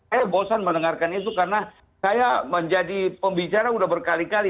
saya bosan mendengarkan itu karena saya menjadi pembicara sudah berkali kali